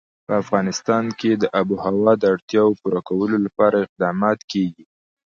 په افغانستان کې د آب وهوا د اړتیاوو پوره کولو لپاره اقدامات کېږي.